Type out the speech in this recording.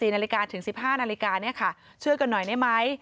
๔นาฬิกาถึง๑๕นาฬิกาช่วยกันหน่อยได้ไหม